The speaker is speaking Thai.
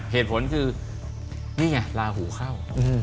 เหตุผลคือนี่ไงลาหูเข้า